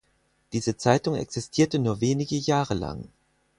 Diese Zeitung existierte nur wenige Jahre lang.